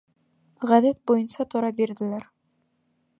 Ғәҙәт буйынса тора бирҙеләр.